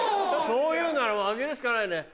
そういうならあげるしかないね。